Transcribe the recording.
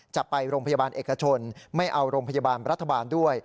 จะไปโรงพยาบาลเอกชนไม่เอาโรงพยาบาลรัฐบาลด้วย